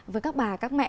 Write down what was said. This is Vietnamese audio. với các bà các mẹ